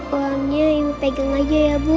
uangnya yang pegang aja ya bu